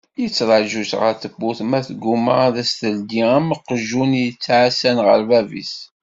Yettraǧu-tt ɣer tewwurt ma tgumma ad as-teldi am uqjun yettɛassan ɣef bab-is.